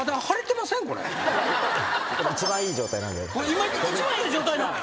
今一番いい状態なん？